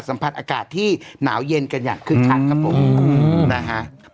สัมผัสอากาศที่หนาวเย็นกันอย่างขึ้นทันครับผม